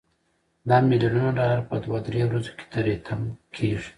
دا ملیونونه ډالر په دوه درې ورځو کې تري تم کیږي.